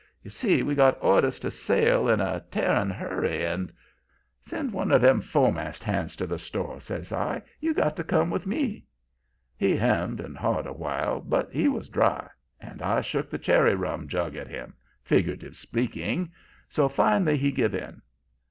You see, we got orders to sail in a tearing hurry, and ' "'Send one of them fo'mast hands to the store,' says I. 'You got to come with me.' "He hemmed and hawed a while, but he was dry, and I shook the cherry rum jug at him, figuratively speaking, so finally he give in.